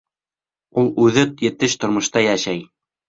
Ул үҙе етеш тормошта йәшәй.